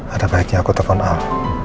ada baiknya aku telfon al